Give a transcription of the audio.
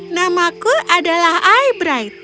namaku adalah ibrite